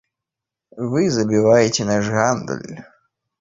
Вы забіваеце наш гандаль!